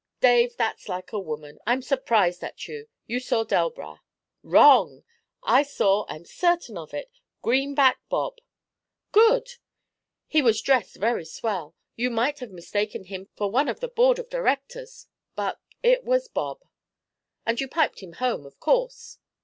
'Dave, that's like a woman! I'm surprised at you. You saw Delbras.' 'Wrong! I saw, I'm certain of it, Greenback Bob.' 'Good!' 'He was dressed very swell you might have mistaken him for one of the board of directors; but it was Bob.' 'And you piped him home, of course?'